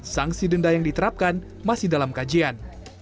sanksi denda yang diterapkan masih dalam kajian